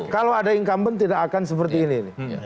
kalau ada incumbent tidak akan seperti ini